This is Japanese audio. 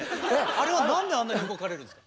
あれは何であんなに動かれるんですか？